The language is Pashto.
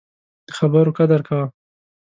د خبرو قدر کوه